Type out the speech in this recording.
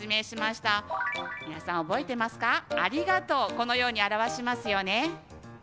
このように表しますよね。